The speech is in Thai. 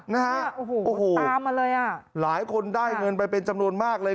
นะฮะโอ้โหตามมาเลยอ่ะหลายคนได้เงินไปเป็นจำนวนมากเลย